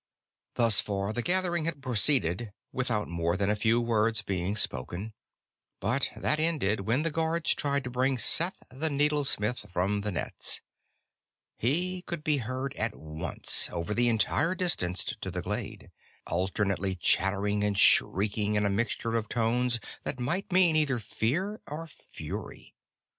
Thus far, the gathering had proceeded without more than a few words being spoken, but that ended when the guards tried to bring Seth the Needlesmith from the nets. He could be heard at once, over the entire distance to the glade, alternately chattering and shrieking in a mixture of tones that might mean either fear or fury.